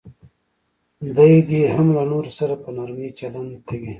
دی دې هم له نورو سره په نرمي چلند کوي.